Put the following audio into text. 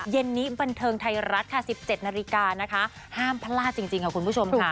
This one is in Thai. เย็นนี้บันเทิงไทยรัฐค่ะ๑๗นาฬิกานะคะห้ามพลาดจริงค่ะคุณผู้ชมค่ะ